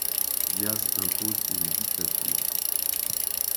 Díaz impose une dictature.